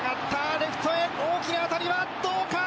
レフトへ大きな当たりはどうか！